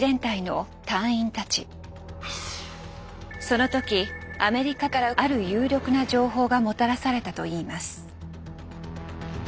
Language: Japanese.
その時アメリカからある有力な情報がもたらされたといいます。